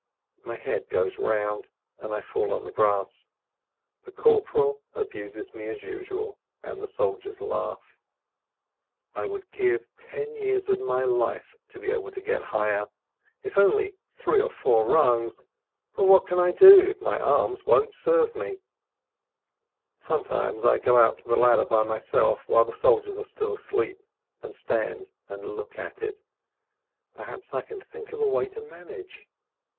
My head goes round, and I fall onto the grass. The corporal abuses me as usual, and the soldiers laugh. I would give ten years of my life to be able to get higher, if only three or four rungs, but what can I do, if my arms won't serve me? 19 286 BERDYCZEWSKI Sometimes I go out to the ladder by myself, while the soldiers are still asleep, and stand and look at it: perhaps I can think of a way to manage